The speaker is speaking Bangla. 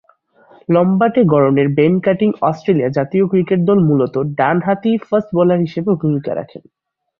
লম্বাটে গড়নের বেন কাটিং অস্ট্রেলিয়া জাতীয় ক্রিকেট দলে মূলতঃ ডানহাতি ফাস্ট বোলার হিসেবে ভূমিকা রাখেন।